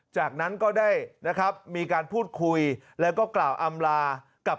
จากนั้นก็ได้นะครับมีการพูดคุยแล้วก็กล่าวอำลากับ